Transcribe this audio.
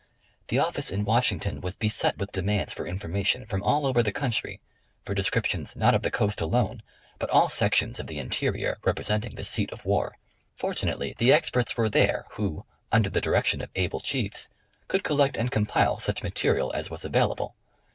The oflice in Washington was beset with demands for information from all over the country, for descriptions not of the coast alone, but all sections of the interior representing the seat of war. Fortunately the experts were there who, under the direction of able chiefs, could collect and compile such material as was available.